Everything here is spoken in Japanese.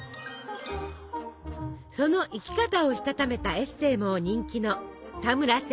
その生き方をしたためたエッセイも人気の田村セツコさん。